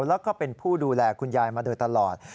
แล้วก็เป็นผู้ดูแลคุณยายมาโดยตลอด